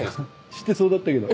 知ってそうだったけど。